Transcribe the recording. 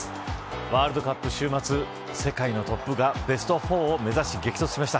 ワールドカップ週末世界のトップがベスト４を目指す激突しました。